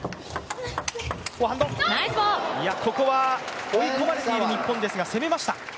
ここは追い込まれている日本ですが攻めました。